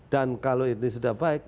dan kalau ini sudah baik